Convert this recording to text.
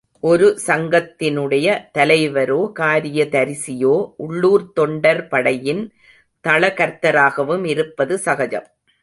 ஒரு சங்கத்தினுடைய தலைவரோகாரியதரிசியோ உள்ளூர்த் தொண்டர்படையின் தளகர்த்தராகவும் இருப்பது சகஜம்.